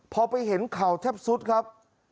พอไปเห็นเข่าแทบสุดครับ